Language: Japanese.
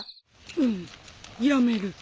うんやめる。